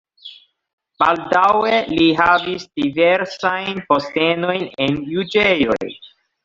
Baldaŭe li havis diversajn postenojn en juĝejoj.